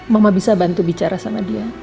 mama bisa bantu bicara sama dia